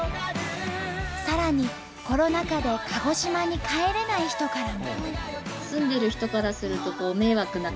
さらにコロナ禍で鹿児島に帰れない人からも。